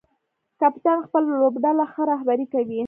کپتان خپله لوبډله ښه رهبري کوي.